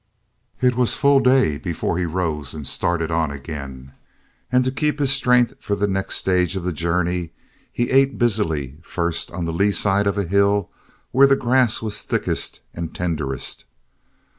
It was full day before he rose and started on again, and to keep his strength for the next stage of the journey, he ate busily first on the lee side of a hill where the grass was thickest and tenderest.